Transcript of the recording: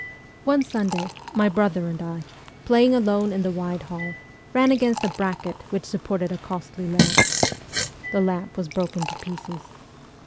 One Sunday, my brother and I, playing alone in the wide hall, ran against a bracket which supported a costly lamp. The lamp was broken to pieces.